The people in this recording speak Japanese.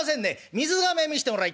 水がめ見してもらいてえんだ」。